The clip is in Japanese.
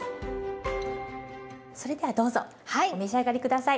それではどうぞお召し上がり下さい。